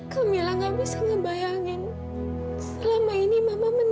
kamila gak bisa ngebayangin selama ini mama menanggungku